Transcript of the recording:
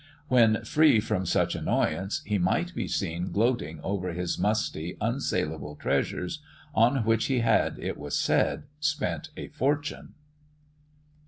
When free from such annoyance, he might be seen gloating over his musty, unsaleable treasures, on which he had, it was said, spent a fortune.